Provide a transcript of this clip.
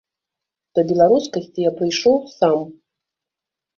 Да беларускасці я прыйшоў сам.